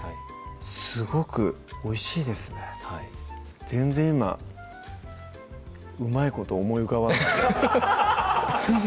すごくおいしいですねはい全然今うまいこと思い浮かばないです